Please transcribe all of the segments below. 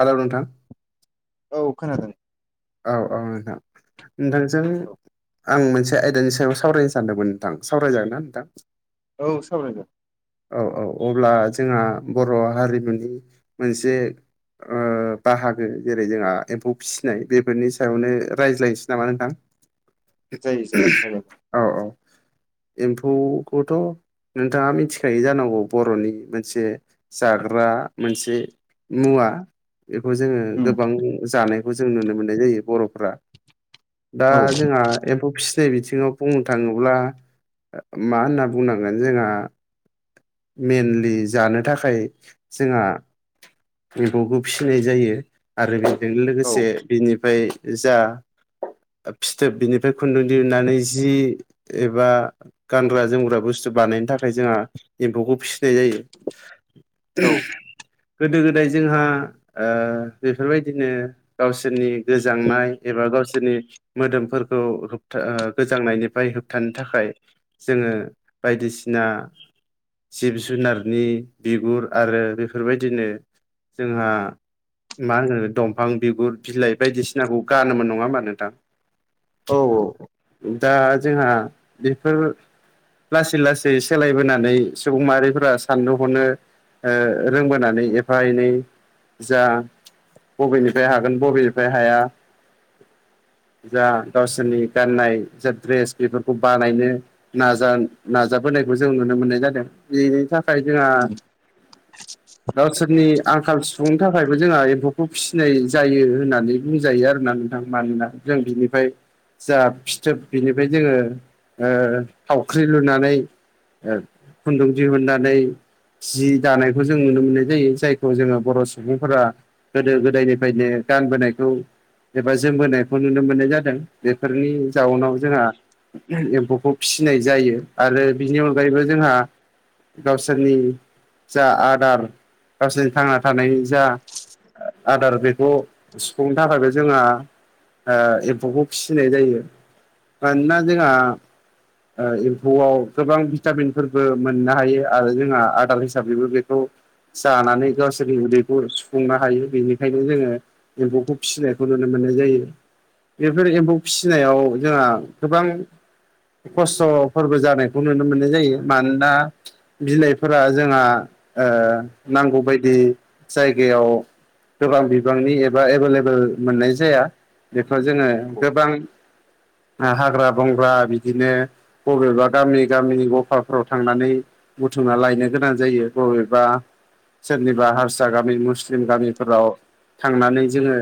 Hello नोंथां औ खोनादों औ औ नोंथां नोंथांजों औ आं मोनसे आयदानि सायाव सावरायनो सानदोंमोन नोंथां सावरायजागोन ना नोंथां? औ सावराय जागोन औ औ अब्ला जोंहा बर' हारिमुनि मोनसे ओ बाहागो जेरै जोंहा एम्फौ फिसिनाय बेफोरनि सायावनो रायज्लायनोसै नामा नोंथां? जायो जायो रायलायगोन [inaudible] औ औ एम्फौखौथ' नोंथाङा मिथि खायो जानांगौ बर'नि मोनसे जाग्रा मोनसे मुवा। बेखौ जोङो उम गोबां जानायखौ जों नुनो मोननाय जायो बर'फ्रा। दा औ जोंहा एम्फौ फिसिनाय बिथिंङाव बुंनो थाङोब्ला मा होनना बुंनांगोन जोंहा मेनलि जानो थाखाय जोंहा मैगंखौ फिसिनाय जायो। आरो बेजोंनो औ लोगोसे बिनिफ्राय जा फिथोब बिनि ओमफ्राय खुन्दुं दिहुननानै जि एबा गानग्रा जोमग्रा बुस्थु बानायनो थाखाय जोंहा एम्फौखौ फिसिनाय जायो औ गोदो गोदाय जोंहा ओ बेफोरबायदिनो गावसोरनि गोजांनाय एबा गावसोरनि मोदोमफोरखौ होबथा ओ गोजांनायनिफ्राय होबथानो थाखाय जोङो बायदिसिना जिब जुनारनि बिगुर आरो बेफोरबायदिनो जोंहा मा होनो दंफां बिगुर बिलाइ बायदिसिनाखौ गानोमोन नङा होमबा नोंथां? औ औ दा जोंहा बेफोर लासै लासै सोलायबोना नै सुबुं माहारिफोरा साननो हनो ओ रोंबोनानै एफा एनै जा बबेनिफ्राय हागोन बबेनिफ्राय हाया जा गावसोरनि गाननाय जा ड्रेस बेफोरखौ बानायनो नाजा नाजाबोनायखौ जों नुनो मोननाय जादों बेनि थाखाय जोंहा उम [inaudible] गावसोरनि आंखाल सफुंनो थाखायबो जोंहा एम्फौखौ फिसिनाय जायो होननानै बुंजायो आरोना नोंथां। मानोना जों बिनिफाय जा फिथोब बिनिफ्राय जोङो थावख्रि ओ लुनानै ओ खुन्दुं दिहनानै जि दानायखौ जों नुनो मोननाय जायो जायखौ जोङो बर' सुबुंफोरा गोदो गोदायनिफ्रायनो गानबोनायखौ एबा जोमबोनायखौ नुनो मोननाय जादों बेफोरनि जाउनाव जोंहा एम्फौखौ फिसिनाय जायो आरो बिनि अनगायैबो जोंहा गावसोरनि जा आदार गावसोरनि थांना थानायनि जा ओ आदार बेखौ सुफुंनो थाखायबो जोंहा आ एम्फौखौ फिसिनाय जायो मानोना जोंहा ओ एम्फौआव गोबां भि भिटामिनफोरबो मोननो हायो आरो जोंहा आदार हिसाबैबो बेखौ जानानै गावसोरनि उदैखौ सुफुंनो हायो बेनिखायनो जोङो एम्फौखौ फिनायखौ नुनो मोननाय जायो। बेफोर एम्फौ फिसिनायाव जोंहा गोबां खस्थ'फोरबो जानायखौ नुनो मोननाय जायो मानोना बिलाइफोरा जोंहा ओ नांगौ बायदि जायगायाव गोबां बिबांनि एबा एभेलेबेल मोननाय जाया। बेखौ जोङो औ गोबां ओ हाग्रा-बंग्रा बिदिनो बबेबा गामि-गामि गफाफ्राव थांनानै बुथुमना लायनो गोनां जायो बबेबा सोरनिबा हारसा गामि मुस्लिम गामिफोराव थांनानै जोङो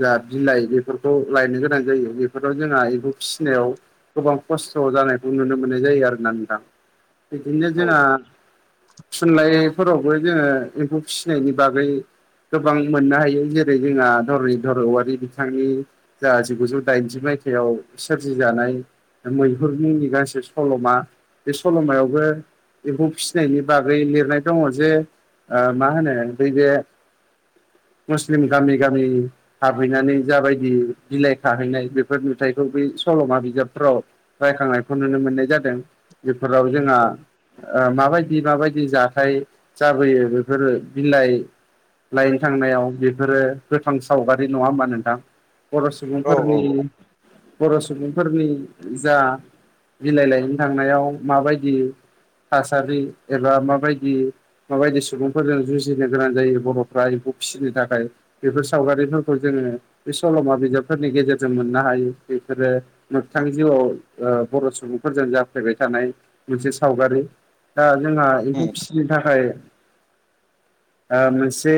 जा बिलाइ बेफोरखौ लायनो गोनां जायो बेफोराव जोंहा बेखौ फिसिनायाव गोबां खस्थ' जानायखौ नुनो मोननाय जायो आरोना नोंथां बिदिनो औ जोंहा थुनलाइफोरावबो जोङो एम्फौ फिसिनायनि बागै गोबां मोननो हायो जेरै जोंहा धरनिधर औवारि बिथांनि जा जिगुजौ दाइनजि मायथाइयाव सोरजिजानाय मैहुरनि मुंनि गांसे सल'मा बे सल'मायावबो एम्फौ फिसिनायनि बागै लिरनाय दङ' जे मा होनो नैबे मुस्लिम गामि-गामि हाबहैनानै जाबायदि बिलाइ खाहैनाय बेफोर नुथाइखौ बै सल'मा बिजाबफ्राव रायखांनायखौ नुनो मोननाय जादों बेफोराव जोंहा ओ माबायदि माबायदि जाथाय जाबोयो बेफोरो बिलाइ लाइन थांनायाव बेफोरो गोथां सावगारि नङा होमबा नोंथां। बर' औ सुबुंफोरनि औ बर' सुबुंफोरनि जा बिलाइ लायनो थांनायाव माबायदि थासारि एबा माबायदि माबायदि सुबुंफोरजों जुजिनो गोनां जायो बर'फ्रा एम्फौ फिसिनो थाखाय बेफोर सावगारिफोरखौ जोङो बे सल'मा बिजाबफोरनि गेजेरजों मोननो हायो बेफोरो मोगथां जिउआव ओ बर' सुबुंफोरजों जाफ्लेबाय थानाय मोनसे सावगारि दा जोंहा एम्फौ उम फिसिनो थाखाय आ मोनसे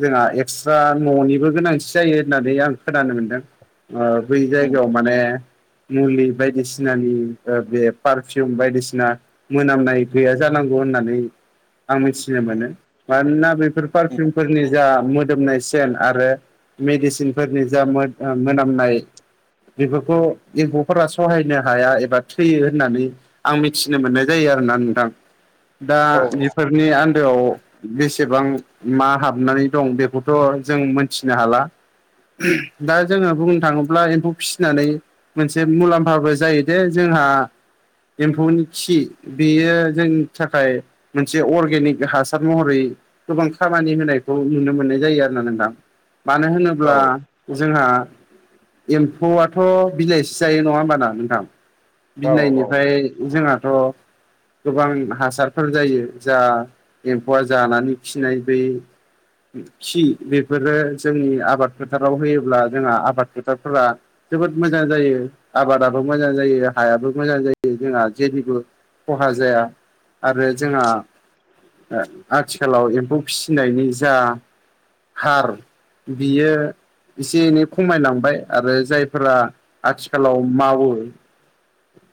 जोंहा एक्सट्रा न'निबो गोनांथि जायो होननानै आं खोनानो मोनदों। ओ बै उम जायगायाव माने मुलि बायदिसिनानि ओ बे पार फीयुम बायदिसिना मोनामनाय गैया जानांगौ होननानै आं मिथिनो उम मोनो मानोना बेफोर उम पारफिउमफोरनि जा मोदोमनाय सेन आरो मेडिसिनफोरनि जा मोद ओ मोनामनाय बेफोरखौ एम्फौफोरा सहायनो हाया एबा थैयो होननानै आं मिथिनो मोननाय जायो आरोना नोंथां। दा औ बेफोरनि आन्दोआव बेसेबां मा हाबनानै दं बेखौथ' जों मोनथिनो हाला। दा जोङो बुंनो थाङोब्ला एम्फौ फिसिनानै मोनसे मुलाम्फाबो जायो दे जोंहा एम्फौनि खि बेयो जोंनि थाखाय मोनसे अर्गेनिक हासार महरै गोबां खामानि होनायखौ नुनो मोननाय जायो आरो ना नोंथां। मानो औ होनोब्ला जोंहा एम्फौआथ' बिलाइसि जायो नङा होमबाना नोंथां? औ औ बिलाइनिफ्राय जोंहाथ' गोबां हासारफोर जायो जा एम्फौआ जानानै खिनाय बै खि बेफोरो जोंनि आबाद फोथाराव होयोब्ला जोंहा आबाद फोथारफोरा जोबोद मोजां जायो आबादाबो मोजां जायो हायाबो मोजां जायो। जोंहा जेनिबो खहा जाया आरो जोंहा आथिखालाव एम्फौ फिसिनायनि जा हार बियो एसे एनै खमायलांबाय आरो जायफोरा आथिखालाव मावो।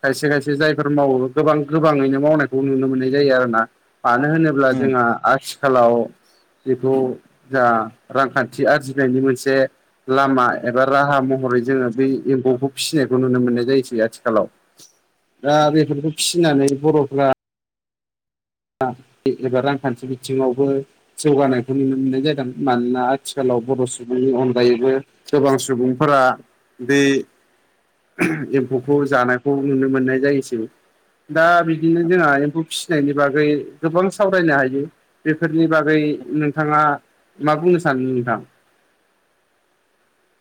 खायसे खायसे जायफोर मावो गोबां गोबाङैनो मावनायखौ नुनो मोननाय जायो आरो ना। मानो होनोब्ला उम जोंहा आथिखालाव बेखौ जा रांखान्थि आरजिनायनि मोनसे लामा एबा राहा महरै जोङो बेै एम्फौखौ फिसिनायखौ नुनो मोननाय जायोसै आथिखालाव। दा बेफोरखौ फिसिनानै बर'फ्रा एबा बिदिबा रांखान्थि बिथिङावबो जौगानायखौ नुनो मोननाय जादों। मानोना आथिखालाव बर' सुबुंनि अनगायैबो गोबां सुबुंफोरा बे एम्फौखौ जानायखौ नुनो मोननाय जायोसै। दा बिदिनो जोंहा एम्फौ फिसिनायनि बागै गोबां सावरायनो हायो बेफोरनि बागै नोंथाङा मा बुंनो सानदों नोंथां?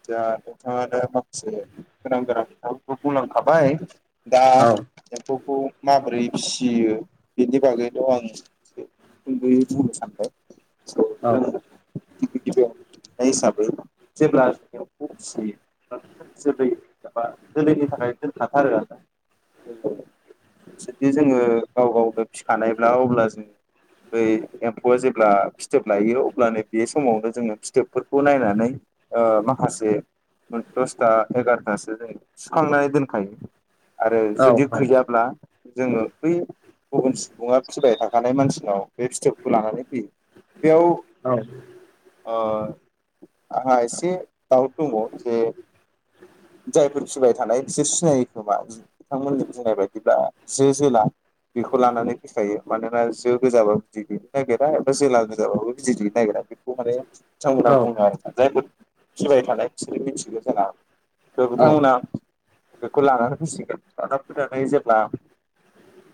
दा नोंथाङानो माखासे गोनां गोनां खोथाफोरखौ बुंलांखाबाय। दा औ एम्फौखौ माबोरै फिसियो बेनि बागैनोथ' आं सुंदयै बुंनो सानबाय। जों औ गिबि गिबियावनो नुनाय हिसाबै जेब्ला एम्फौखौ फिसियो एबा जोलै एबा जोलैनि थाखाय दोनखाथारो आरो ना। जुदि जोङो गाव गावनो फिखानायब्ला अब्ला जों बै एम्फौआ जेब्ला फिथोब लायो अब्लानो बे समावनो जोङो फिथोबफोरखौ नायनानै ओ माखासे दसथा एगारथासो जों सुखांनानै दोनखायो। आरो औ जुदि गैयाब्ला जोङो बै गुबुन सुबुङा फिबाय थाखानाय मानसिनाव बे फिथोबखौ लानानै फैयो। बेयाव औ। ओ आंहा एसे दावट दङ जे जायफोर फिसिबाय थानाय बिसोर सिनायो खोमा। बिथांमोननि बुंनाय बायदिब्ला जो जोला। बेखौ लानानै फैखायो मानोना जो गोजाबो बिदै दैैनो नागिरा एबा जोला गोजाबाबो बिदै दैैनो नागिरा। खौ माने औ बिथांमोनहा बुङो आरोना। जायफोर सिबाय थानाय बिसोर मिथिगौ जोंहा। औ बिथांमोना बेखौ लानानै फैसिगोन लाना फैनानै जेब्ला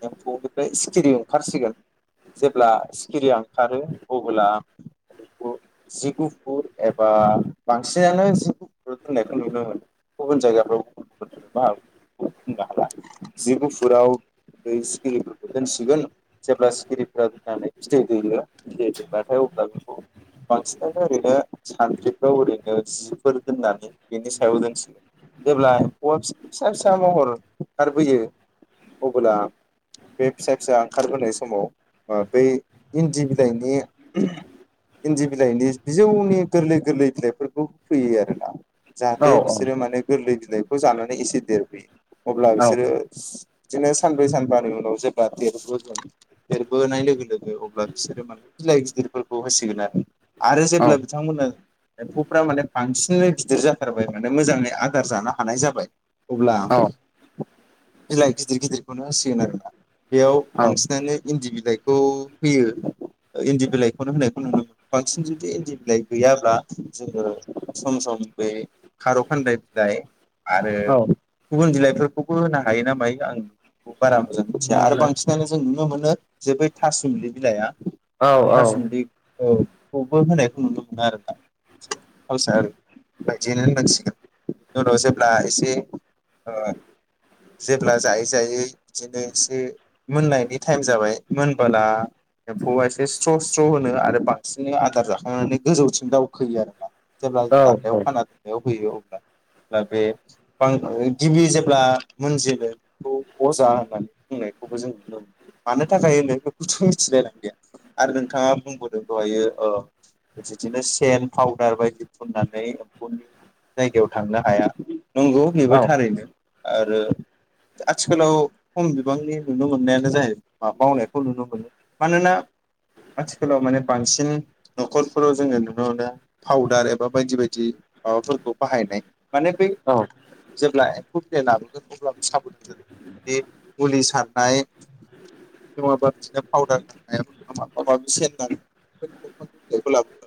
एम्फौनिफ्राय सिखिरि ओंखारसिगोन जेब्ला सिखिरिया ओंखारो अब्ला जि गुफुर एबा बांसिनानो जि गुफुराव दोननायखौ नुनो मोनो गुबुन जायगाफ्राव गुबुन गुबुनबो जानो [unintelligible] [unintelligible] जि गुफुराव बै सिखिरिफोरखौ दोनसिगोन जेब्ला सिखिरिफोरा दोननानै बिदै दैयो बिदै दैबाथाय अब्ला बेखौ बांसिनानो ओरैनो सानद्रि खौ ओरैनो जिफोर दोननानै बेनि सायाव दोनसिगोन। जेब्ला एम्फौआ फिसा फिसा महर ओंखारबोयो अबोला बे फिसा फिसा ओंखारबोनाय समाव बै ओ इन्दि बिलाइनि इन्दि बिलाइनि बिजौनि गोरलै गोरलै बिलाइफोरखौ फैयो आरोना औ जाहाथे बिसोरो माने गोरलै बिलाइखौ जानानै एसे देरफैयो [unintelligible] अब्ला बिसोरो बिदिनो सानब्रै सानबानि उनाव जेब्ला देरबो देरबोनाय लोगो लोगो अब्ला बिसोरो माने बिलाइ गिदिरफोरखौ होसिगोन आरो। आरो जेब्ला बिथांमोननो एम्फौफ्रा माने बांसिनै गिदिर जाथारबाय माने मोजाङै आदार जानो हानाय जाबाय। अब्ला बिलाइ गिदिर गिदिरखौनो होसिगोन आरोना। बेयाव बांसिनानो इन्दि बिलाइखौ होयो। इन्दि बिलाइखौनो होनायखौ नुनो मोनो बांसिन जुदि इन्दि बिलाइ गैयाब्ला जोङो सम समयै बे खारौ खानदाय बिलाइ आरो गुबुन बिलाइफोरखौबो होनो हायो ना मायो आं बारा मोजां मिथिया आरो बांसिन बिखायनो जों नुनो मोनो जे बै था सुमलि बिलाइआ था सुमलिनि औ बेखौबो होनायखौ नुनो मोनो आरोना औ [unintelligible] बिदिनो होननांसिगोन उनाव जेब्ला इसे ओ जेब्ला जायै जायै बिदिनो इसे मोननायनि थाइम जाबाय मोनबोला एम्फौआ एसे स्र' स्र' होनो आरो बांसिनै आदार जाखांनानै गोजौथिं दाव खोयो आरोना जेब्ला दानदायाव खाना दोननायाव होयो अब्ला‌ दा बे बां गिबि जेब्ला मोनजेनो बेखौ अजा होननानै बुंनायखौबो जों नुनो मोनो। मानो थाखाय होनो बेखौथ' मिथिलायलांदिया आरो नोंथाङा बुंबावदों दहायो ओ [unintelligible] फाउदार बायदि फुननानै एम्फौनि जायगायाव थांनो हाया नंगौ बो थारैनो आरो आथिखालाव खम बिबांनि नुनो मोननायानो जाहैबाय मावनायखौ नुनो मोनो। मानोना आथिखालाव माने बांसिन न'खरफोराव जोङो नुनो मोनो। फाउदार एबा बायदि बायदि माबाफोरखौ बाहायनाय माने बै जेब्ला [unintelligible] लाबोगोन अब्लाबो साबोदान जानांगोन बे मुलि सारनाय। औ नङाबा बिदिनो पाउदार नांनायाबो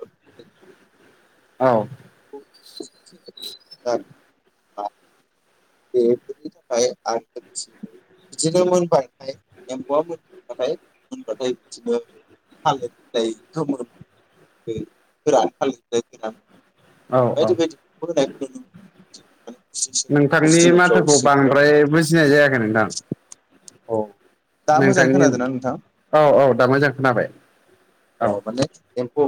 [unintelligible] औ [unintelligible] [unintelligible] बिदिनो मोनबाथाय एम्फौआ मोनबाथाय मोनबाथाय बिदिनो थालिर बिलाइ गोमोन आरो गोरान थालिर औ औ बिलाइ गोरान [unintelligible] नोंथांनि मुस्रिफ्राव माथोखौ सिंफ्राव बांद्राय बुजिनाय जायाखै नों [unintelligible] दा मोजां खोनादोना नोंथां औ औ दा मोजां खोनाबाय औ अ दे एम्फौ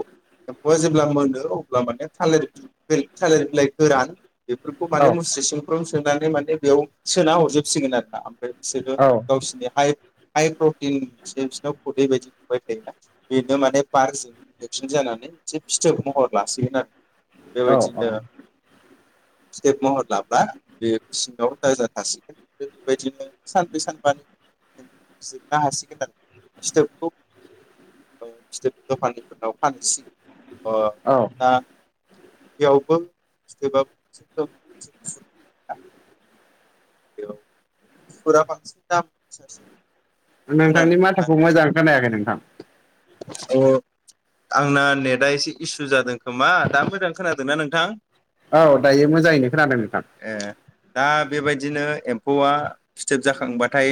एम्फौआ जेब्ला मोनो अब्ला माने थालिर बै थालिर बिलाइ गोरान बेफोरखौ औ माने मुस्रि सिंफ्राव सोनानै माने बेयाव सोना हरजोबसिगोन आरो ना ओमफ्राय। गाससिबो औ गावसिनि हाय हाइ प्रटिन सि बिसिनाव खुदै बदि गबाय थायोना बेनो माने पारकजोंनो एक्सिडेन्ट जानानै एसे फिथोब महर लासिगोन आरो औ बेबायदिनो फिथोब महर लाब्ला बे सिङाव दाजाथासिगोन आरो बेबायदिनो सानब्रै सानबानि जिरनो हासिगोन आरो फिथोबखौ औ फिथोब दखानिफोरनाव फानहैसिगोन ओ औ दा बेयावबो फिथोबा [unintelligible] बेयाव गुफुरा बांसिन दाम गोसासिन खोनानो नोंथांनि मोनो माथोखौ मोजां खोनायाखै नोंथां अ आंना नेटा एसे इसु जादों खोमा दा मोजां खोनादोंना नोंथां? औ दायो मोजाङैनो खोनादों नोंथां ए दा बेबायदिनो एम्फौआ फिथोब जाखांबाथाय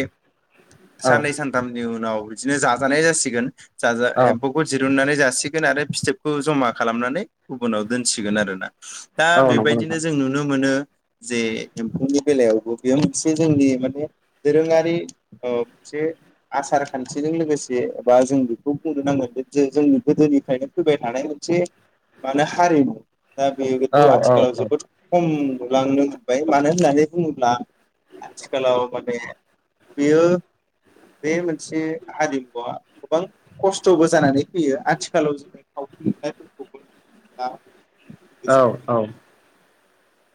औ साननै सान थामनि उनाव बिदिनो जाजानाय जासिगोन जाजा औ एम्फौ दिरुननानै जासिगोन आरो फिथोबखौ जमा खालामनानै गुबुनाव दोनसिगोन आरो ना दा औ नंगौ बेबायदिनो नोंथां जों नुनो मोनो जे एम्फौनि बेलायावबो बेयो मोनसे जोंनि माने दोरोङारि ओ मोनसे आसार खानथिजों लोगोसे बा जोंबो बेखौ बुंनो नांगोन जे जोंनि गोदोनिफ्रायनो फैबाय थानाय मोनसे मानो हारिमु दा औ बेथ' औ आथिखालाव जोबोद खम नुलांनो मोनबाय मानो होननानै बुङोब्ला आथिखालाव माने बियो बे मोनसे हारिमुवा गोबां खस्थ'बो जानानै फैयो आथिखालाव जोङो थाव [unintelligible] औ-औ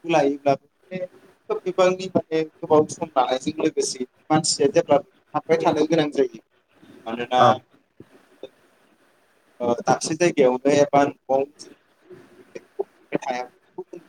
बेखौ लायोब्लाबो खोब बिबांनि माने गोबाव सम लानायजों लोगोसे मानसिया जेब्ला हाबबाय थानो गोनां जायो मानोना औ [unintelligible] दाबसे जायगायावनो एबा न'आव [inaudible] [unintelligible]